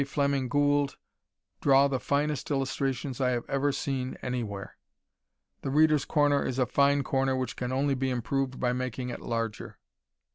Fleming Gould, draw the finest illustrations I have ever seen anywhere. "The Readers' Corner" is a fine corner which can only be improved by making it larger.